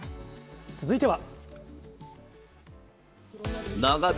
続いては。